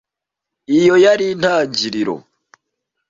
Iyo yari intangiriro.